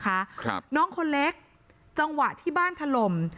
น้อยเท่านั้นนะคะน้องคนเล็กจังหวะที่บ้านถล่ม